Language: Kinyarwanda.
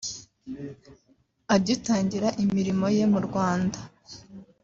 Agitangira imirimo ye mu Rwanda